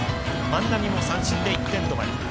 万波も三振で１点止まり。